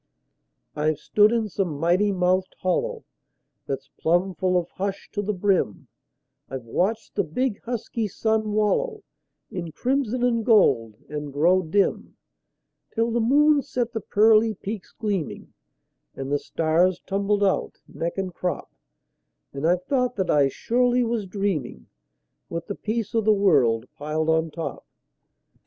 I've stood in some mighty mouthed hollow That's plumb full of hush to the brim; I've watched the big, husky sun wallow In crimson and gold, and grow dim, Till the moon set the pearly peaks gleaming, And the stars tumbled out, neck and crop; And I've thought that I surely was dreaming, With the peace o' the world piled on top.